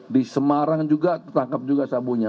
di semarang juga tertangkap juga sabunya